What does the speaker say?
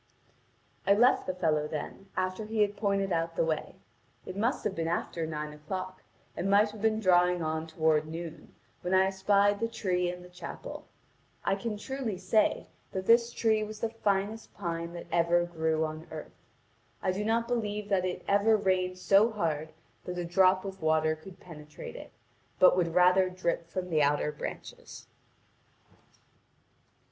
I left the fellow then, after he had pointed our the way. It must have been after nine o'clock and might have been drawing on toward noon, when I espied the tree and the chapel. I can truly say that this tree was the finest pine that ever grew on earth. I do not believe that it ever rained so hard that a drop of water could penetrate it, but would rather drip from the outer branches.